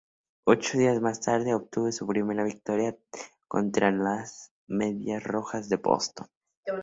Ocho días más tarde, obtuvo su primera victoria contra los Medias Rojas de Boston.